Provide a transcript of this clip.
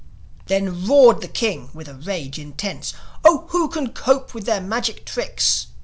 Then roared the King with a rage intense, "Oh, who can cope with their magic tricks?"